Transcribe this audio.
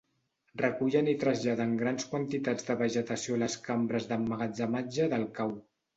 Recullen i traslladen grans quantitats de vegetació a les cambres d'emmagatzematge del cau.